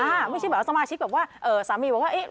ไม่ใช่แบบว่าสมาชิกแบบว่าสามีบอกว่าเอ๊ะ